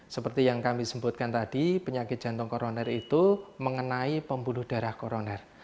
seperti yang kami sebutkan tadi penyakit jantung koroner itu mengenai pembuluh darah koroner